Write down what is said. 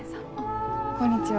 こんにちは。